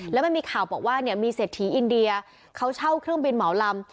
แล้วมันมีข่าวบอกว่าเนี่ยมีเศรษฐีอินเดียเขาเช่าเครื่องบินเหมาลำ